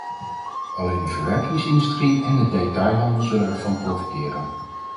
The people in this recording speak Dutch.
Alleen de verwerkingsindustrie en de detailhandel zullen ervan profiteren.